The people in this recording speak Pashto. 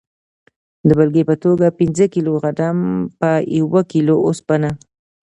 د بیلګې په توګه پنځه کیلو غنم په یوه کیلو اوسپنه.